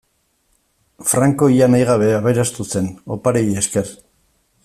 Franco ia nahi gabe aberastu zen, opariei esker.